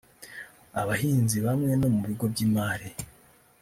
abahinzi hamwe no mu bigo by’imari